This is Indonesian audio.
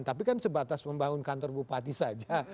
tapi kan sebatas membangun kantor bupati saja